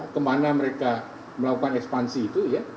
kemana mereka melakukan ekspansi itu ya